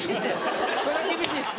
それは厳しいです。